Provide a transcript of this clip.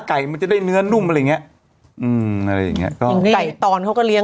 ไก่จะได้เนื้อนุ้มอะไรอย่างเนี้ย